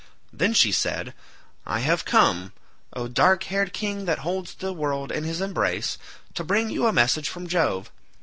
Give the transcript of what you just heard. Then she said, "I have come, O dark haired king that holds the world in his embrace, to bring you a message from Jove.